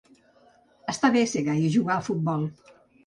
Està bé ser gai i jugar a futbol.